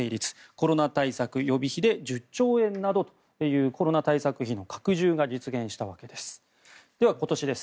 コロナ対策予備費で１０兆円などというコロナ対策費の拡充が実現したわけです。